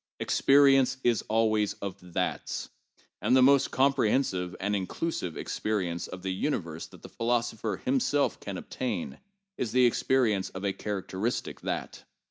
Experience is always of thats; and the most compre hensive and inclusive experience of the universe which the phi losopher himself can obtain is the experience of a characteristic that.